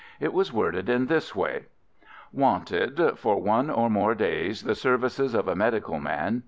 It was worded in this way:— Wanted for one or more days the services of a medical man.